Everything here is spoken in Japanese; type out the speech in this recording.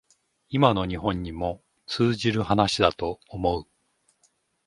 今の日本にも通じる話だと思う